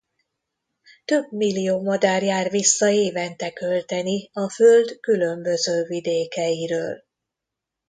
Több millió madár jár vissza évente költeni a Föld különböző vidékeiről.